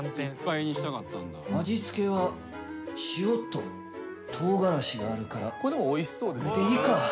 「味付けは塩と唐辛子があるからこれでいいか」